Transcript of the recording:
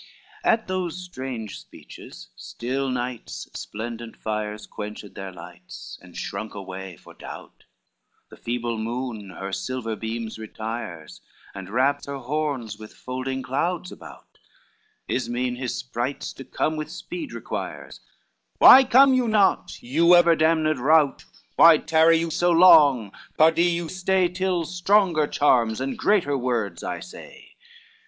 IX At those strange speeches, still night's splendent fires Quenched their lights, and shrunk away for doubt, The feeble moon her silver beams retires, And wrapt her horns with folding clouds about, Ismen his sprites to come with speed requires, "Why come you not, you ever damned rout? Why tarry you so long? pardie you stay Till stronger charms and greater words I say.